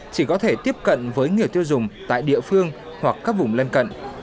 chỉ có thể tiếp cận với người tiêu dùng tại địa phương hoặc các vùng lân cận